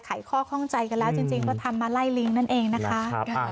ข้อข้องใจกันแล้วจริงก็ทำมาไล่ลิงนั่นเองนะคะ